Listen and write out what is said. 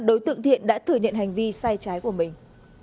đối tượng thiện đã thừa nhận hành vi sai trái của mình